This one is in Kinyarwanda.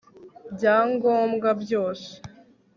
byangobwa byose